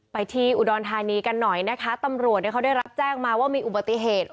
ไปที่อุดรธานีกันหน่อยนะคะตำรวจเนี่ยเขาได้รับแจ้งมาว่ามีอุบัติเหตุ